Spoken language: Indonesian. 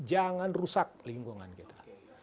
jangan rusak lingkungan kita